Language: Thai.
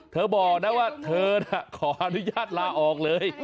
บอกนะว่าเธอน่ะขออนุญาตลาออกเลย